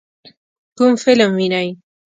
کوم فلم وینئ؟